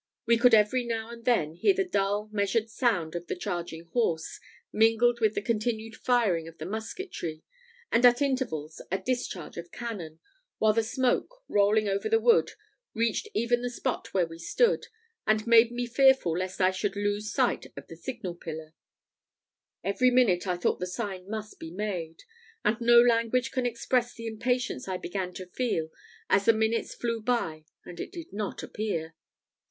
We could every now and then hear the dull, measured sound of the charging of horse, mingled with the continued firing of the musketry, and at intervals a discharge of cannon; while the smoke, rolling over the wood, reached even the spot where we stood, and made me fearful lest I should lose sight of the signal pillar. Every minute I thought the sign must be made, and no language can express the impatience I began to feel as the minutes flew by and it did not appear.